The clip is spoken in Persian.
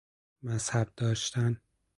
مذهب داشتن